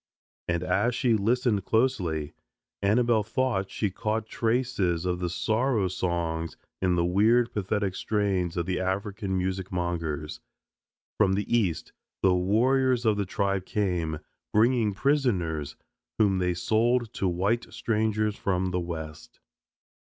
And as she listened closely, Annabelle thought she caught traces of the sorrow songs in the weird pathetic strains of the African music mongers. From the East the warriors of the tribe came, bringing prisoners, whom they sold to white strangers from the West.